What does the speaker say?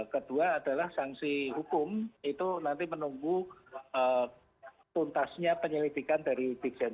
kedua adalah sanksi hukum itu nanti menunggu tuntasnya penyelidikan dari bikjen